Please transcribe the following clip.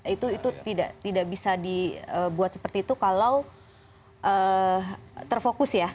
itu tidak bisa dibuat seperti itu kalau terfokus ya